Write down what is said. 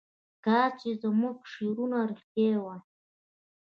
کاش چې زموږ شعرونه رښتیا وای.